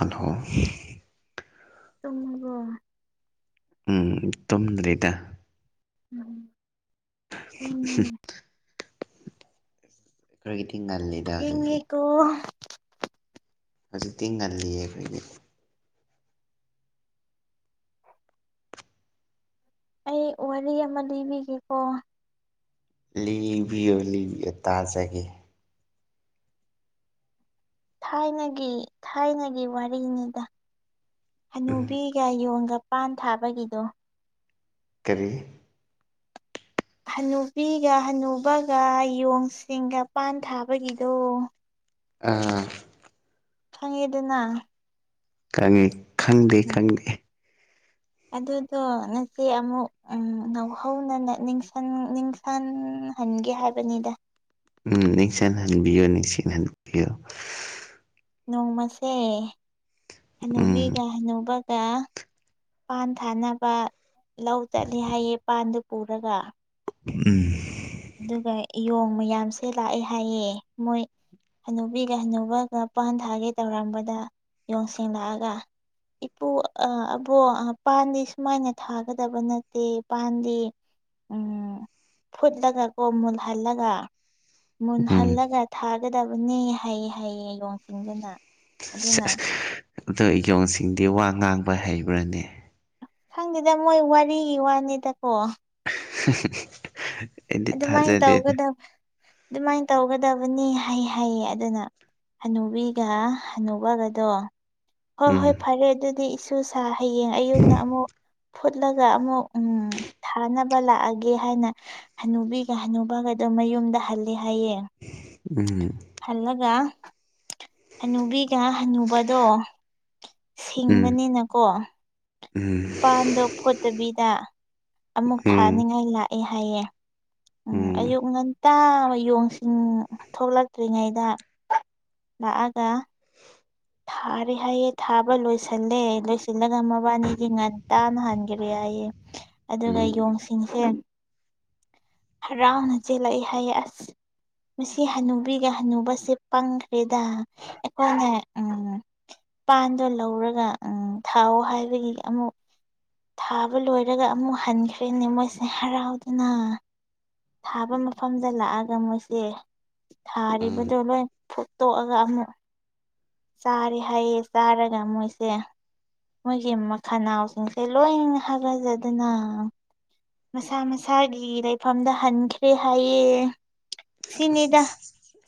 ꯑꯗꯣ ꯇꯨꯡꯃꯒꯣ ꯎꯝ ꯇꯨꯝꯗ꯭ꯔꯔꯤꯗ ꯎꯝ ꯁꯤ ꯊꯦꯡꯉꯤꯅꯦ ꯀ꯭ꯔꯒꯇꯤꯡꯒꯂꯦ ꯍꯤꯉꯤꯀꯨ ꯍꯧꯖꯤꯛꯇꯤ ꯉꯜꯂꯤꯌꯦ ꯑꯩꯈꯣꯏꯗꯤ ꯑꯩ ꯋꯥꯔꯤ ꯑꯃ ꯂꯤꯕꯤꯒꯦꯀꯣ ꯂꯤꯕꯤꯌꯣ ꯂꯤꯕꯤꯌꯣ ꯇꯥꯖꯒꯦ ꯊꯥꯏꯅꯒꯤ ꯊꯥꯏꯅꯒꯤ ꯋꯥꯔꯤꯅꯤꯗ ꯎꯝ ꯍꯅꯨꯕꯤꯒ ꯌꯣꯟꯒ ꯄꯥꯟ ꯊꯥꯕꯒꯤꯗꯣ ꯀꯔꯤ ꯍꯅꯨꯕꯤꯒ ꯍꯅꯨꯕꯒ ꯌꯣꯡꯁꯤꯡꯒ ꯄꯥꯟ ꯊꯥꯕꯒꯤꯗꯣ ꯑꯥ ꯈꯪꯉꯦꯗꯅ ꯈꯪꯉꯤ ꯈꯪꯗꯦ ꯎꯝ ꯈꯪꯗꯦ [inaudible] ꯑꯗꯨꯗꯣ ꯅꯆꯦ ꯑꯃꯨꯛ ꯎ ꯉꯧꯍꯧꯅ ꯅꯤꯡꯁꯪ-ꯅꯤꯡ ꯐꯟ ꯍꯟꯒꯦ ꯍꯥꯏꯕꯅꯤꯗ ꯎꯝ ꯅꯤꯡꯁꯤꯡꯍꯟꯕꯤꯌꯨ ꯅꯤꯡꯁꯤꯡꯍꯟꯕꯤꯌꯨ ꯅꯣꯡꯃꯁꯦ ꯎꯝ ꯍꯅꯨꯕꯤꯒ ꯍꯟꯅꯧꯕꯒ ꯄꯥꯟ ꯊꯥꯅꯕ ꯂꯧ ꯆꯠꯂꯤ ꯍꯥꯏꯌꯦ ꯄꯥꯟꯗꯨ ꯄꯨꯔꯒ ꯎꯝ ꯑꯗꯨꯒ ꯏꯌꯣꯡ ꯃꯌꯥꯝꯁꯦ ꯂꯥꯛꯑꯦ ꯍꯥꯏꯌꯦ ꯃꯣꯏ ꯍꯅꯨꯕꯤꯒ ꯍꯟꯅꯨꯕꯒ ꯄꯥꯟ ꯊꯥꯒ ꯇꯧꯔꯝꯕꯗ ꯌꯣꯡꯁꯤꯂꯛꯑꯒ ꯏꯄꯨ ꯑꯕꯣ ꯄꯥꯟꯗꯤ ꯁꯨꯃꯥꯏꯅ ꯊꯥꯒꯗꯕ ꯅꯠꯇꯦ ꯄꯥꯟꯗꯤ ꯎꯝ ꯐꯨꯠꯂꯒ ꯀꯣ ꯃꯨꯜ ꯍꯥꯜꯂꯒ ꯃꯨꯟ ꯎꯝ ꯍꯥꯜꯂꯒ ꯊꯥꯒꯗꯕꯅꯤ ꯍꯩꯌꯦ ꯍꯥꯏꯩꯌꯦ ꯌꯦꯣꯡꯁꯤꯟꯗꯨꯅ ꯑꯗꯣ ꯏꯌꯣꯡꯁꯤꯡꯗꯤ ꯋꯥ ꯉꯥꯡꯕ ꯍꯩꯕ꯭ꯔꯅꯦ ꯈꯪꯗ‌ꯦꯗ ꯃꯣꯏ ꯋꯥꯔꯤꯒꯤ ꯋꯥꯅꯤꯗꯀꯣ ꯑꯦꯗꯤ ꯑꯗꯨꯃꯥꯏꯅ ꯊꯖꯦꯗꯗ ꯇꯧꯒꯗꯕ ꯑꯗꯨꯃꯥꯏꯅ ꯇꯧꯒꯗꯕꯅꯤ ꯍꯩ ꯍꯥꯏꯌꯦ ꯑꯗꯨꯅ ꯍꯅꯨꯕꯤꯒ ꯍꯅꯨꯕꯒꯗꯣ ꯍꯣꯏ ꯎꯝ ꯍꯣꯏ ꯐꯔꯦ ꯑꯗꯨꯗꯤ ꯏꯁꯨꯁ ꯍꯌꯦꯡ ꯑꯌꯨꯝꯅ ꯑꯃꯨꯛ ꯐꯨꯠꯂꯒ ꯑꯃꯨꯛ ꯎꯝ ꯊꯥꯅꯕ ꯂꯥꯛꯑꯒꯦ ꯍꯥꯏꯅ ꯍꯅꯨꯕꯤꯒ ꯍꯅꯨꯕꯒ ꯑꯗꯨꯣ ꯃꯌꯨꯝꯗ ꯍꯜꯂꯦ ꯍꯥꯏꯌꯦ ꯎꯝ ꯍꯜꯂꯒ ꯍꯅꯨꯕꯤꯒ ꯍꯟꯅꯨꯕꯗꯣ ꯎꯝ ꯁꯤꯡꯕꯅꯤꯅꯀꯣ ꯎꯝ ꯄꯥꯟꯗꯣ ꯐꯣꯠꯇꯕꯤꯗ ꯑꯃꯨꯛ ꯎꯝ ꯊꯥꯅꯤꯡꯉꯥꯏ ꯂꯥꯛꯑꯦ ꯍꯥꯏꯌꯦ ꯎꯝ ꯑꯌꯨꯛ ꯉꯟ ꯇꯥꯕꯌꯣꯡꯁꯤꯡꯟ ꯊꯣꯛꯂꯛꯇ꯭ꯔꯤꯉꯩꯗ ꯂꯥꯛꯑꯒ ꯊꯥꯔꯦ ꯍꯥꯏꯌꯦ ꯊꯥꯕ ꯂꯣꯏꯁꯤꯜꯂꯦ ꯂꯣꯏꯁꯤꯜꯂꯒ ꯃꯕꯥꯅꯤꯗꯤ ꯉꯟꯇꯥꯅ ꯍꯟꯈꯒ꯭ꯔꯦ ꯍꯥꯏꯌꯦ ꯑꯗꯨꯒ ꯎꯝ ꯌꯣꯡꯁꯤꯡꯁꯦ ꯍꯔꯥꯎꯅ ꯆꯦꯜꯂꯛꯏꯦ ꯍꯥꯏꯌꯦ ꯑꯁ ꯃꯁꯤ ꯍꯅꯨꯕꯤꯒ ꯍꯅꯨꯕꯁꯦ ꯄꯪꯈ꯭ꯔꯦꯗ ꯑꯩꯈꫭꯏꯅ ꯎꯝ ꯄꯥꯟꯗꯣ ꯂꯧꯔꯒ ꯎ ꯊꯥꯎ ꯍꯥꯏꯕꯒꯤ ꯑꯃꯨꯛ ꯊꯥꯕ ꯂꯣꯏꯔꯒ ꯑꯃꯨꯛ ꯍꯟꯈ꯭ꯔꯦꯅꯦ ꯃꯣꯏꯁꯦ ꯍꯔꯥꯎꯗꯅ ꯊꯥꯕ ꯃꯐꯝꯗ ꯂꯥꯛꯑꯒ ꯃꯣꯏꯁꯦ ꯎꯝ ꯊꯥꯔꯤꯕꯗꯣ ꯂꯣꯏ ꯐꯨꯇꯣꯛꯑꯒ ꯑꯃꯨꯛ ꯆꯥꯔꯦ ꯍꯥꯏꯌꯦ ꯆꯥꯔꯒ ꯃꯣꯏꯁꯦ ꯃꯣꯏꯒꯤ ꯃꯈꯅꯥꯎꯁꯤꯡꯁꯦ ꯂꯣꯏꯅꯅ ꯍꯥꯒꯖꯗꯅ ꯃꯁꯥ ꯃꯁꯥꯒꯤ ꯂꯩꯐꯝꯗ ꯍꯟꯈ꯭ꯔꯦ ꯍꯥꯏꯌꯦ ꯁꯤꯅꯤꯗ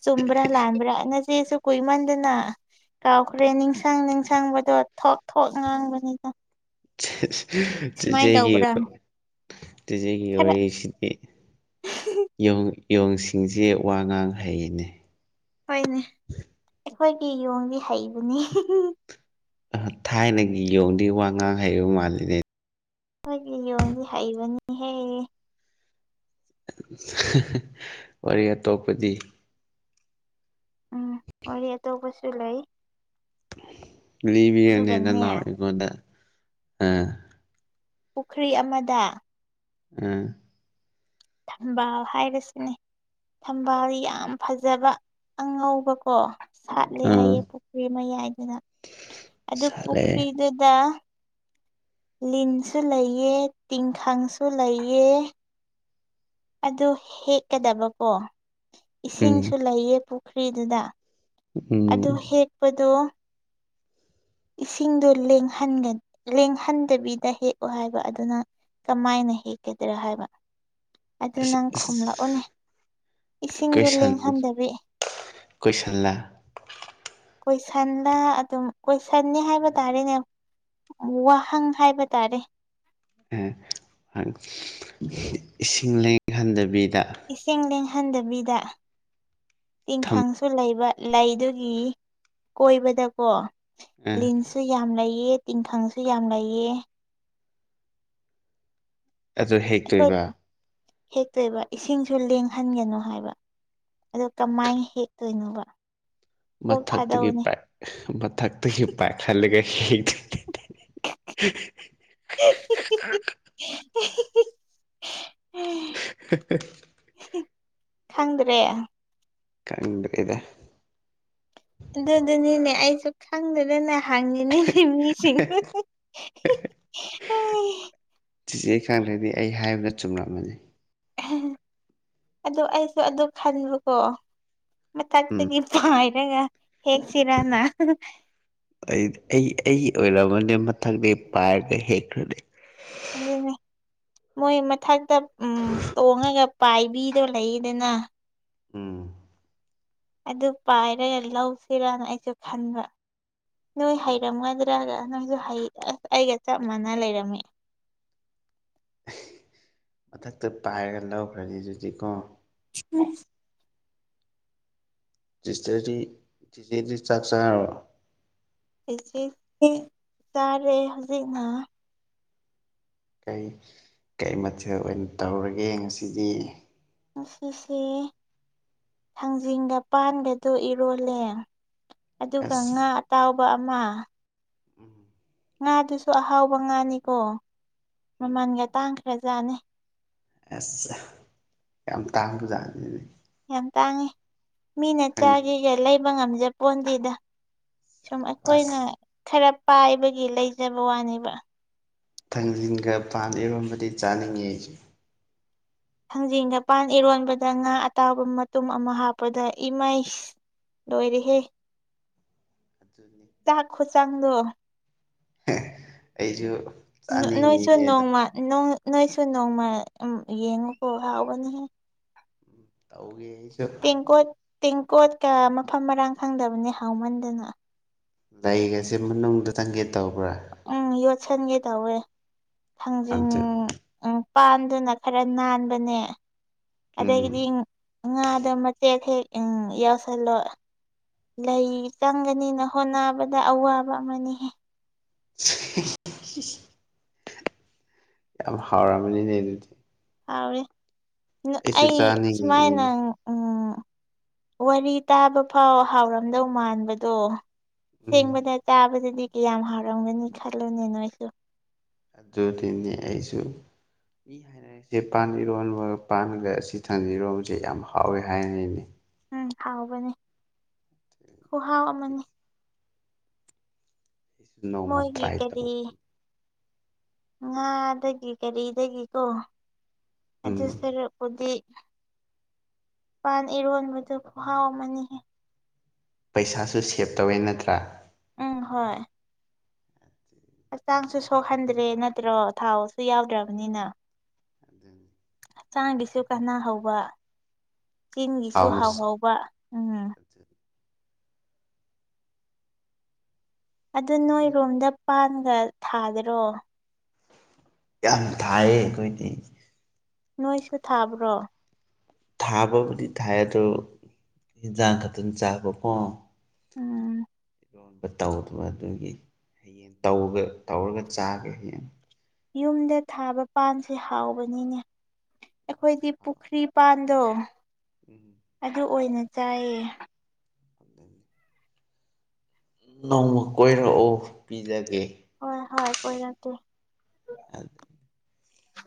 ꯆꯨꯝꯕ꯭ꯔꯥ ꯂꯥꯟꯕ꯭ꯔꯥꯇ ꯅꯆꯦꯁꯨ ꯀꯨꯏꯃꯟꯗꯅ ꯀꯥꯎꯈ꯭ꯔꯦ ꯅꯤꯡꯁꯪ ꯅꯤꯡꯁꯪꯕꯗꯣ ꯊꯣꯛ ꯊꯣꯛ ꯉꯥꯡꯕꯅꯤꯅ [unintelligible] ꯆꯤꯆꯦꯒꯤ ꯇꯧꯕ꯭ꯔꯥ ꯆꯦꯆꯦꯒꯤ ꯈꯔ ꯋꯥꯔꯤꯁꯤꯗꯤ ꯌꫭꯡ ꯌꫭꯡꯁꯤꯡꯁꯦ ꯋꯥ ꯉꯥꯡ ꯍꯩꯅꯦ ꯍꯣꯏꯅꯦ ꯑꯩꯈꯣꯏꯒꯤ ꯌꯣꯡꯗꯤ ꯍꯩꯕꯅꯤ ꯑ ꯊꯥꯏꯅꯒꯤ ꯌꯧꯗꯒꯤ ꯋꯥ ꯉꯥꯡ ꯍꯩꯕ ꯃꯥꯜꯂꯤꯅꯦ ꯑꯩꯈꫭꯏꯒꯤ ꯌꯣꯡꯁꯤ ꯍꯩꯕꯅꯤꯍꯦ ꯋꯥꯔꯤ ꯑꯇꯣꯞꯄꯗꯤ ꯎꯝ ꯋꯥꯔꯤ ꯑꯇꯣꯞꯄꯁꯨ ꯂꯩ ꯂꯤꯕꯤꯌꯨꯅꯦ ꯑꯗꯨꯒꯅꯦ ꯅꯅꯥꯎ ꯑꯩꯉꫭꯟꯗ ꯑ ꯄꯨꯈ꯭ꯔꯤ ꯑꯃꯗ ꯑ ꯊꯝꯕꯥꯜ ꯍꯥꯏꯔꯁꯤꯅꯦ ꯊꯝꯕꯥꯜ ꯌꯥꯝ ꯐꯖꯕ ꯑꯉꯧꯕꯀꯣ ꯁꯥꯠꯂꯦ ꯑꯥ ꯍꯥꯏꯌꯦ ꯄꯨꯈ꯭ꯔꯤ ꯃꯌꯥꯏꯗꯨꯅ ꯑꯗꯨ ꯁꯥꯠꯂꯦ ꯄꯨꯈ꯭ꯔꯤꯗꯨꯗ ꯂꯤꯟꯁꯨ ꯂꯩꯌꯦ ꯇꯤꯡꯈꯪꯁꯨ ꯂꯩꯑ ꯑꯗꯨ ꯍꯦꯛꯀꯗꯕꯀꯣ ꯎꯝ ꯏꯁꯤꯡꯁꯨ ꯂꯩꯌꯦ ꯄꯨꯈ꯭ꯔꯤꯗꯨꯗ ꯎꯝ ꯑꯗꯨ ꯍꯦꯛꯄꯗꯣ ꯏꯁꯤꯡꯗꯣ ꯂꯦꯡꯍꯟ ꯂꯦꯡꯍꯟꯗꯕꯤꯗ ꯍꯦꯛꯑꯣ ꯍꯥꯏꯕ ꯑꯗꯨꯅ ꯀꯃꯥꯏꯅ ꯍꯦꯛꯀꯗ꯭ꯔꯥ ꯍꯥꯏꯕ ꯑꯗꯨ ꯑꯁ ꯅꯪ ꯑꯁ ꯈꯨꯝꯂꯛꯎꯅꯦ ꯏꯁꯤꯡꯗꯣ ꯂꯦꯡꯍꯟꯗꯕꯤ ꯀꯣꯏꯁꯟꯂ ꯀꯣꯏꯁꯟꯂ ꯑꯗꯨꯝ ꯀꯣꯏꯁꯟꯅꯤ ꯍꯥꯏꯕ ꯇꯥꯔꯦꯅꯦ ꯋꯥꯍꯪ ꯍꯥꯏꯕ ꯇꯥꯔꯦ ꯑꯦ ꯏꯁꯤꯡ ꯂꯦꯡꯍꯟꯗꯕꯤꯗ ꯏꯁꯤꯡ ꯂꯦꯡꯍꯟꯗꯕꯤꯗ ꯊꯝ ꯇꯤꯟꯈꯪꯁꯨ ꯂꯩꯕ ꯂꯩꯗꯨꯒꯤ ꯀꯣꯏꯕꯗꯀꯣ ꯑ, ꯂꯤꯟꯁꯨ ꯁꯨ ꯌꯥꯝ ꯂꯩꯑ ꯇꯤꯡꯈꯪꯁꯨ ꯌꯥꯝ ꯂꯩꯑ ꯑꯗꯨ ꯑꯩꯈꯣꯏ ꯍꯦꯛꯇꯣꯏꯕ ꯍꯦꯛꯇꯣꯏꯕ ꯏꯁꯤꯡꯁꯨ ꯂꯦꯡꯍꯟꯒꯅꯨ ꯍꯥꯏꯕ ꯑꯗꯨ ꯀꯃꯥꯏꯅ ꯍꯦꯛꯇꯣꯏꯅꯣꯕ ꯀꯣꯛ ꯃꯊꯛꯇꯒꯤ ꯊꯥꯗꯧꯅꯦ ꯄꯥꯏ ꯃꯊꯛꯇꯒꯤ ꯄꯦꯛ ꯈꯜꯒ ꯍꯅꯤ [unintelligible] [unintelligible] [unintelligible] ꯈꯪꯗ꯭ꯔꯦ ꯀꯟꯔꯤꯗ ꯑꯗꯨꯗꯨꯅꯤꯅꯦ ꯑꯩꯁꯨ ꯈꯪꯗꯗꯅꯦ ꯍꯪꯉꯤꯅꯦ ꯂꯩ ꯃꯤꯁꯤꯡ ꯁꯤꯆꯦ ꯑꯩ ꯈꯪꯗ꯭ꯔꯗꯤ ꯑꯩ ꯍꯥꯏꯕꯗ ꯆꯨꯝꯂꯛꯃꯅꯤ ꯑꯗꯨ ꯑꯩꯁꯨ ꯑꯗꯨ ꯈꯟꯕꯀꯣ ꯎꯝ ꯃꯊꯛꯇꯒꯤ ꯁꯋꯥꯏꯗꯩꯩ ꯍꯦꯛꯁꯤꯔꯅ ꯑꯩ ꯑꯩ ꯑꯩ ꯑꯣꯏꯔꯝꯝꯕꯅꯦ ꯃꯊꯪꯗ ꯄꯥꯏꯔꯒ ꯍꯦꯛꯈ꯭ꯔꯅꯦ ꯑꯗꯨꯅꯦ ꯃꯣꯏ ꯃꯊꯛꯇ ꯎꯝ ꯇꯣꯡꯉꯒ ꯄꯥꯏꯕꯤꯗꯣ ꯂꯩꯌꯦꯗꯅ ꯎꯝ ꯑꯗꯨ ꯄꯥꯏꯔꯒ ꯂꯧꯁꯤꯔꯅ ꯑꯩꯁꯨ ꯈꯟꯕ ꯅꯣꯏ ꯑꯗꯨꯅꯤ ꯍꯩꯔꯝꯒꯗ꯭ꯔꯒ ꯅꯪꯁꯨ ꯍꯩ ꯑꯁ ꯑꯩꯒ ꯆꯞ ꯃꯥꯟꯅ ꯂꯩꯔꯝꯃꯤ ꯃꯊꯛꯇ ꯄꯥꯏꯔꯒ ꯂꯧꯈ꯭ꯔꯅꯤ ꯑꯗꯨꯗꯤꯀꯣ [inaudible] ꯇꯤꯁꯇꯔꯗꯤ ꯇꯤꯇꯔꯗꯤ ꯆꯥꯛ ꯆꯥꯔꯕꯣ ꯑꯩꯆꯦ ꯆꯥꯔꯦ ꯍꯧꯖꯤꯛꯅ ꯀꯔꯤ ꯀꯔꯤ ꯃꯊꯦꯜ ꯑꯣꯏꯅ ꯇꯧꯔꯒꯦ ꯉꯁꯤꯗꯤ ꯉꯁꯤꯁꯦ ꯊꯥꯡꯖꯤꯡꯒ ꯄꯥꯟꯕꯗꯨ ꯏꯔꯣꯜꯂꯦ ꯑꯗꯨꯒ ꯑꯁ ꯉꯥ ꯑꯇꯥꯎꯕ ꯑꯃ ꯎꯝ ꯉꯥꯗꯨꯁꯨ ꯑꯍꯥꯎꯕ ꯉꯥꯅꯤꯀꯣ ꯎꯝ ꯃꯃꯜꯒ ꯇꯥꯡꯈ꯭ꯔꯖꯥꯠꯅꯤ ꯑꯁ ꯌꯥꯝ ꯇꯥꯡꯕꯖꯥꯠꯅꯤꯅꯦ ꯌꯥꯝ ꯇꯥꯡꯉꯤ ꯃꯤꯅ ꯊꯥꯡꯖꯤꯡ ꯆꯥꯒꯦꯒ ꯂꯩꯕ ꯉꯝꯖ ꯄꯣꯟꯇꯦꯗ ꯁꯨꯝ ꯆꯥꯕ ꯑꯩꯈꯣꯏꯅ ꯑꯁ ꯈꯔ ꯄꯥꯏꯕꯒꯤ ꯂꯩꯖꯕ ꯋꯥꯅꯦꯕ ꯊꯥꯡꯖꯤꯟꯒ ꯄꯥꯟ ꯏꯔꯣꯟꯝꯕꯗꯤ ꯆꯥꯅꯤꯡꯉꯦ ꯑꯩꯁꯨ ꯊꯥꯡꯖꯤꯡꯒ ꯄꯥꯟ ꯏꯔꯣꯟꯕꯗ ꯉꯥ ꯑꯇꯥꯎꯕ ꯃꯇꯨꯝ ꯑꯃ ꯍꯥꯞꯄꯗ ꯏꯃꯩ ꯂꯣꯏꯔꯤ ꯍꯦ ꯑꯗꯨꯅꯤ ꯆꯥꯛꯈ ꯆꯥꯡꯗꯣ ꯑꯩꯁꯨ ꯑꯗꯨꯅꯤ ꯑꯩꯁꯨ ꯅꯣꯏꯁꯨ ꯆꯥꯅꯤꯡꯉꯤꯅꯦ ꯑꯗꯣ ꯅꯣꯡꯃ ꯅꯣꯏꯁꯨ ꯅꯣꯡꯃ ꯌꯦꯡꯉꯨꯀ ꯍꯥꯎꯒꯅꯤꯍ ꯎꯝ ꯇꯧꯒꯦ ꯑꯩꯁꯨ ꯇꯦꯡꯀꯣꯠ ꯇꯦꯡꯀꯣꯠꯀ ꯃꯐꯝ ꯃꯔꯥꯡ ꯈꯪꯗꯕꯅꯦ ꯍꯥꯎꯃꯟꯗꯅ ꯂꯩꯒꯁꯦ ꯃꯅꯨꯡꯗ ꯆꯪꯒꯦ ꯇꯧꯕ꯭ꯔꯥ ꯎꯝ ꯌꯣꯠꯁꯟꯒꯦ ꯇꯧꯋꯦ ꯊꯥꯡꯖꯤꯡ ꯑꯗꯨ ꯎꯝ ꯄꯥꯟꯗꯨꯅ ꯈꯔ ꯅꯥꯟꯕꯅꯦ ꯎꯝ ꯑꯗꯒꯤꯗꯤ ꯉꯥꯗꯣ ꯃꯆꯦꯠ ꯍꯦꯛ ꯎꯝ ꯌꯥꯎꯁꯜꯂꯣ ꯂꯩ ꯆꯪꯒꯅꯤꯅ ꯍꯣꯠꯅꯕꯗ ꯑꯋꯥꯕ ꯑꯃꯅꯤꯍꯦ ꯌꯥꯝ ꯍꯥꯎꯔꯝꯃꯅꯤꯅꯦ ꯑꯗꯨꯗꯤ ꯍꯥꯎꯔꯤꯦ ꯑꯩꯁꯨ ꯑꯩ ꯁꯨꯃꯥꯏꯅ ꯆꯥꯅꯤꯡꯉꯤꯅꯤꯅꯦ ꯎꯝ ꯋꯥꯔꯤ ꯇꯥꯕ ꯐꯥꯎ ꯍꯥꯎꯔꯝꯗꯧ ꯃꯥꯟꯕꯗꯣ ꯎꯝ ꯁꯦꯡꯕꯗ ꯆꯥꯕꯗꯗꯤ ꯀꯌꯥꯝ ꯍꯥꯎꯔꯝꯒꯅꯤ ꯈꯜꯂꯨꯅꯦ ꯅꯣꯏꯁꯨ ꯑꯖꯣ ꯊꯅꯤ ꯍꯥꯏꯁꯨ ꯃꯤ ꯍꯥꯏꯅꯔꯤꯁꯦ ꯄꯥꯟ ꯏꯔꯣꯟꯕꯒ ꯄꯥꯟꯒ ꯑꯁꯤ ꯊꯥ ꯏꯔꯣꯟꯁꯦ ꯌꯥꯝ ꯍꯥꯎꯋꯦ ꯍꯥꯏꯔꯤꯅꯤ ꯎꯝ ꯍꯥꯎꯕꯅꯤ ꯈꯨꯍꯥꯎ ꯑꯃꯅꯤ ꯑꯩꯁꯨ ꯅꯣꯡꯃ ꯃꯣꯏꯒꯤ ꯇ꯭ꯔꯥꯏ ꯀꯔꯤ ꯇꯧꯒꯦ ꯉꯥꯗꯒꯤ ꯀꯔꯤꯗꯒꯤꯀꯣ ꯎꯝ ꯑꯗꯨ ꯁꯔꯨꯛ ꯍꯧꯗꯤ ꯏꯄꯥꯟ ꯏꯔꯣꯟꯕꯗꯨ ꯄꯍꯥꯎ ꯑꯃꯅꯤꯍ ꯄꯩꯁꯥꯁꯨ ꯁꯦꯞ ꯇꯧꯋꯦ ꯅꯠꯇ꯭ꯔꯥ ꯎꯝ ꯍꯣꯏ ꯍꯛꯆꯥꯡꯁꯨ ꯁꯣꯛꯍꯟꯗ꯭ꯔꯦ ꯅꯠꯇ꯭ꯔꯣ ꯊꯥꯎꯁꯨ ꯌꯥꯎꯗ꯭ꯔꯕꯅꯤꯅ ꯑꯗꯨ ꯍꯛꯆꯥꯡꯒꯤꯁꯨ ꯀꯥꯟꯅꯍꯧꯕ ꯆꯤꯟꯒꯤꯁꯨ ꯍꯥꯎꯅ ꯍꯥꯎꯍꯧꯕ ꯎꯝ ꯑꯗꯨ ꯅꯣꯏꯔꯣꯝꯗ ꯄꯥꯟꯒ ꯊꯥꯗꯔꯣ ꯌꯥꯝ ꯊꯥꯏꯌꯦ ꯑꯩꯈꯣꯏꯗꯤ ꯅꯣꯏꯁꯨ ꯊꯥꯕ꯭ꯔꯣ ꯊꯥꯕꯕꯨꯗꯤ ꯊꯥꯏ ꯑꯗꯣ ꯌꯦꯟꯖꯥꯡ ꯈꯛꯇꯪ ꯆꯥꯕꯀꯣ ꯎꯝ ꯌꯣꯟꯕ ꯇꯧꯗꯕ ꯑꯗꯨꯒꯤ ꯍꯌꯦꯡ ꯇꯧ ꯇꯧꯔꯒ ꯆꯥꯒꯦ ꯍꯌꯦꯡ ꯌꯨꯝꯗ ꯊꯥꯕ ꯄꯥꯟꯁꯦ ꯍꯥꯎꯕꯅꯤꯅꯦ ꯑꯩꯈꯣꯏꯗꯤ ꯄꯨꯈ꯭ꯔꯤ ꯄꯥꯟꯗꯣ ꯎꯝ ꯑꯗꯨ ꯑꯣꯏꯅ ꯆꯥꯏꯌꯦ ꯑꯗꯨꯅꯤ ꯅꯣꯡꯃ ꯀꯣꯏꯔꯛꯎ ꯄꯤꯖꯒꯦ ꯍꯣꯏ ꯍꯣꯏ ꯀꯣꯏꯔꯛꯀꯦ ꯑꯗꯨ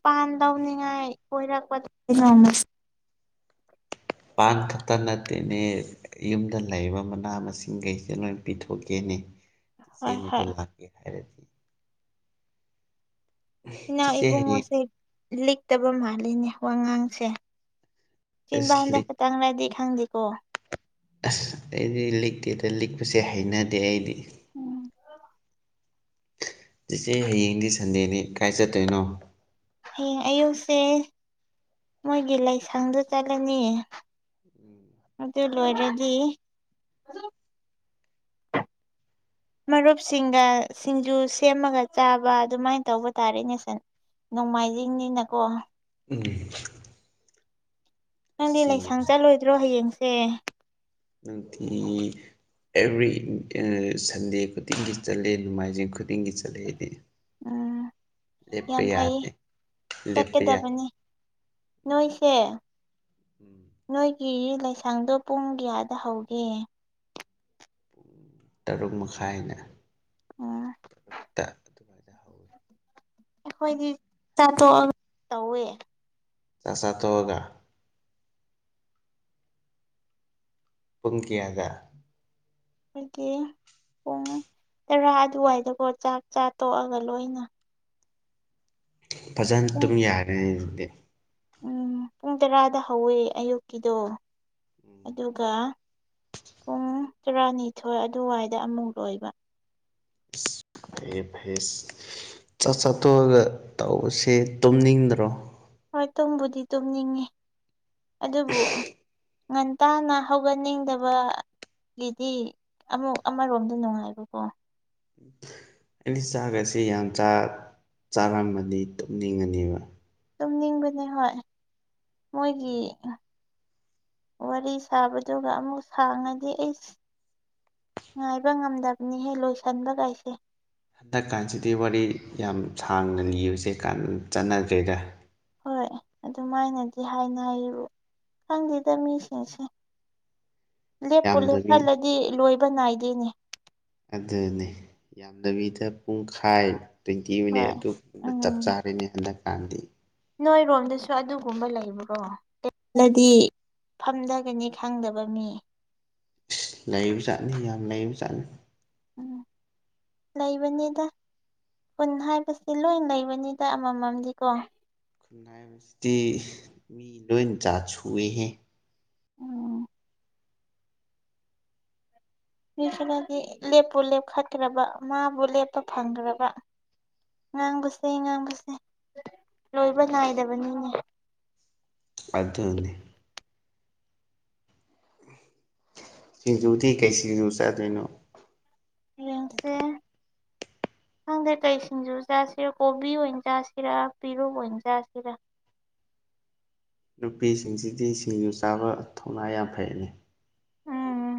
ꯄꯥꯟ ꯇꯧꯅꯤꯉꯥꯏ ꯑꯣꯏꯔꯛꯄ ꯖꯧꯃꯁ ꯄꯥꯟ ꯈꯛꯇ ꯅꯠꯇꯦꯅꯦ ꯌꯨꯝꯗ ꯂꯩꯔꯤꯕ ꯃꯅꯥ ꯃꯁꯤꯡꯈꯩꯁꯦ ꯂꯣꯏ ꯄꯤꯊꯣꯛꯀꯦꯅꯦ ꯍꯣꯏ ꯆꯦꯅꯕꯨ ꯍꯣꯏ ꯂꯥꯛꯀꯦ ꯍꯥꯏꯔꯗꯤ ꯏꯅꯥꯎ ꯆꯤꯆꯦ ꯍꯌꯦꯡ ꯏꯕꯨꯡꯉꯣꯁꯦ ꯂꯤꯛꯇꯕ ꯃꯥꯜꯂꯤꯅꯦ ꯋꯥꯉꯥꯡꯁꯦ ꯑꯁ ꯆꯤꯟꯕꯥꯍꯥꯟꯗ ꯂꯤꯛ ꯈ ꯇꯪ ꯔꯥꯏꯗꯤ ꯈꯪꯗꯤꯀꯣ ꯑꯁ ꯑꯩꯗꯤ ꯂꯤꯛꯇꯦꯗ ꯂꯤꯛꯄꯁꯦ ꯍꯩꯅꯗꯦ ꯑꯩꯗꯤ ꯎꯝ ꯆꯦꯆꯦ ꯍꯌꯦꯡꯗꯤ ꯁꯟꯗꯦꯅꯤ ꯀꯥꯏ ꯆꯠꯇꯣꯏꯅꯣ ꯍꯌꯦꯡ ꯑꯌꯨꯛꯁꯦ ꯃꯣꯏꯒꯤ ꯂꯥꯏꯁꯪꯗ ꯆꯠꯂꯅꯤꯌꯦ ꯎꯝ ꯑꯗꯨ ꯂꯣꯏꯔꯗꯤ ꯃꯔꯨꯞꯁꯤꯡꯒ ꯁꯤꯡꯖꯨ ꯁꯦꯝꯃꯒ ꯆꯥꯕ ꯑꯗꯨꯃꯥꯏꯅ ꯇꯧꯕ ꯇꯥꯔꯦꯅꯦ ꯁꯦ ꯅꯣꯡꯃꯥꯏꯖꯤꯡꯅꯤꯅꯀꯣ ꯎꯝ ꯑꯁ ꯅꯪꯗꯤ ꯂꯥꯏꯁꯪ ꯁꯤꯡꯖꯨꯁꯦ ꯆꯠꯂꯣꯏꯗ꯭ꯔꯣ ꯍꯌꯦꯡꯁꯦ ꯑꯇ ꯑꯦꯕ꯭ꯔꯤ ꯁꯟꯗꯦ ꯈꯨꯗꯤꯡꯒꯤ ꯆꯠꯂꯦ ꯅꯣꯡꯃꯥꯏꯖꯤꯡ ꯈꯨꯗꯤꯡꯒꯤ ꯆꯠꯂꯦ ꯑꯩꯗꯤ ꯎꯝ ꯂꯦꯞꯄ ꯌꯥꯝ ꯐꯩꯌꯦ ꯌꯥꯗꯦ ꯂꯦꯞꯄ ꯌꯥ ꯆꯠꯀꯗꯕꯅꯤ ꯅꯣꯏꯁꯦ ꯎꯝ ꯅꯣꯏꯒꯤ ꯂꯩꯁꯥꯡꯗꯣ ꯄꯨꯡ ꯀꯌꯥꯗ ꯍꯧꯒꯦ ꯇꯔꯨꯛ ꯃꯈꯥꯏꯅ ꯎꯝ ꯇ ꯑꯗꯨꯃꯥꯏꯅ ꯍꯧꯋꯤ ꯑꯩꯈꯣꯏꯗꯤ ꯆꯥꯛ ꯇꯣꯛꯑꯒ ꯇꯧꯋꯦ ꯆꯁ ꯊꯣꯛꯑꯒ ꯄꯨꯡꯀꯤꯌꯥꯗ ꯑꯩꯈꯣꯏꯒꯤ ꯄꯨꯡ ꯇꯔꯥ ꯑꯗꯨꯋꯥꯏꯗꯀꯣ ꯆꯥꯛ ꯆꯥ ꯇꯣꯛꯑꯒ ꯂꯣꯏꯅ ꯐꯖꯅ ꯄꯨꯡ ꯇꯨꯝ ꯌꯥꯔꯦ ꯑꯗꯨꯗꯤ ꯎꯝ ꯄꯨꯡ ꯇꯔꯥꯗ ꯍꯧꯋꯦ ꯑꯌꯨꯛꯀꯤꯗꯣ ꯑꯗꯨꯒ ꯄꯨꯡ ꯇꯔꯥꯅꯤꯊꯣꯏ ꯑꯗꯨꯋꯥꯏꯗ ꯑꯃꯨꯛ ꯂꯣꯏꯕ ꯑꯦ ꯐꯌꯦ ꯍꯦꯁ ꯆꯥꯛ ꯆꯥꯊꯣꯛꯑꯒ ꯇꯧꯕꯁꯦ ꯇꯨꯝꯅꯤꯡꯗ꯭ꯔꯣ ꯍꯣꯏ ꯇꯨꯡꯕꯨꯗꯤ ꯇꯨꯝꯅꯤꯡꯉꯤ ꯑꯗꯨꯕꯨ ꯉꯟꯇꯥꯅ ꯍꯧꯒꯠꯅꯤꯡꯗꯕ ꯂꯤꯗꯤ ꯑꯃ ꯑꯃꯔꯣꯝꯗ ꯅꯨꯡꯉꯥꯏꯕꯀꯣ ꯑꯩꯗꯤ ꯆꯥꯛꯒꯁꯦ ꯌꯥꯝ ꯆꯥꯔꯝꯃꯅꯤ ꯇꯨꯝꯅꯤꯡꯉꯅꯤꯕ ꯇꯨꯝꯅꯤꯡꯕꯅꯦ ꯍꯣꯏ ꯃꯣꯏꯒꯤ ꯋꯥꯔꯤ ꯁꯥꯕꯗꯨꯒ ꯑꯃꯨꯛ ꯁꯥꯡꯉꯗꯤ ꯑꯩ ꯉꯥꯏꯕ ꯉꯝꯗꯕꯅꯤꯍꯦ ꯂꯣꯏꯁꯟꯕ ꯀꯥꯏꯁꯦ ꯍꯟꯗꯛꯀꯥꯟꯁꯤꯗꯤ ꯋꯥꯔꯤ ꯌꯥꯝ ꯁꯥꯡꯅ ꯂꯤꯕꯁꯦ ꯀꯥꯟ ꯆꯠꯅꯗ꯭ꯔꯦꯗ ꯍꯣꯏ ꯑꯗꯨꯃꯥꯏꯅꯗꯤ ꯍꯥꯏꯅꯔꯦ ꯈꯪꯗꯦꯗ ꯃꯤꯁꯤꯡꯁꯦ ꯂꯦꯞꯄꯨ ꯌꯥꯝꯗꯕꯤ ꯂꯦꯞꯍꯜꯂꯗꯤ ꯂꯣꯏꯕ ꯅꯥꯏꯗꯦꯅꯦ ꯑꯗꯨꯅꯤ ꯌꯥꯝꯗꯕꯤꯗ ꯄꯨꯡꯈꯥꯏ ꯇ꯭ꯋꯦꯟꯇꯤ ꯃꯤꯅꯦꯠ ꯍꯣꯏ ꯑꯗꯨ ꯆꯞ ꯎꯝ ꯆꯥꯔꯦꯅꯦ ꯍꯟꯗꯛꯀꯥꯟꯗꯤ ꯅꯣꯏꯔꯣꯝꯗꯁꯨ ꯑꯗꯨꯒꯨꯝꯕ ꯂꯩꯕ꯭ꯔꯣꯗꯤ ꯐꯝꯊꯒꯅꯤ ꯈꯪꯗꯕ ꯃꯤ ꯂꯩꯕ ꯖꯥꯠꯅꯤ ꯌꯥꯝ ꯂꯩꯕ ꯖꯥꯠꯅꯤ ꯎꯝ ꯂꯩꯕꯅꯤꯗ ꯈꯨꯟ ꯍꯥꯏꯕꯁꯤꯗꯤ ꯂꯣꯏ ꯂꯩꯕꯅꯤꯗ ꯑꯃꯃꯝꯗꯤꯀꯣ ꯈꯨꯟꯅꯥꯏꯕꯁꯤꯗꯤ ꯃꯤ ꯂꯣꯏ ꯖꯥꯠ ꯁꯨꯏꯍꯦ ꯎꯝ ꯃꯤꯈꯔꯗꯤ ꯂꯦꯞꯄꯨ ꯂꯦꯞꯈꯠꯈ꯭ꯔꯕ ꯃꯥꯕꯨ ꯂꯦꯞꯄ ꯐꯪꯈ꯭ꯔꯕ ꯉꯥꯡꯕꯁꯦ ꯉꯥꯡꯕꯁꯦ ꯂꯣꯏꯕ ꯅꯥꯏꯗꯕꯅꯤꯅꯦ ꯑꯗꯨꯅꯤ ꯁꯤꯡꯖꯨꯗꯤ ꯀꯩ ꯁꯤꯡꯖꯨ ꯆꯥꯗꯣꯏꯅꯣ ꯌꯦꯡꯁꯦ ꯑꯪꯗ ꯀꯩ ꯁꯤꯡꯖꯨ ꯆꯥꯁꯤꯔꯥ ꯀꯣꯕꯤ ꯑꯣꯏꯅ ꯆꯥꯁꯤꯔꯥ ꯄꯦꯔꯨꯛ ꯑꯣꯏꯅ ꯆꯥꯁꯤꯔꯥ ꯅꯨꯄꯤꯁꯤꯡꯁꯤꯗꯤ ꯁꯤꯡꯖꯨ ꯆꯥꯕ ꯊꯧꯅꯥ ꯌꯥꯝ ꯐꯩꯅꯤ ꯎꯝ